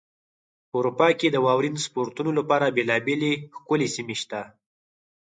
په اروپا کې د واورین سپورتونو لپاره بېلابېلې ښکلې سیمې شته.